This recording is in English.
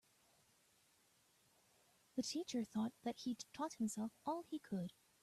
The teacher thought that he'd taught himself all he could.